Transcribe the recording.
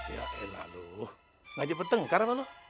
ya elah lu gak cepetan gak kaya apa lu